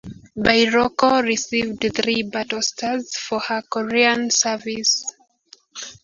"Bairoko" received three battle stars for her Korean service.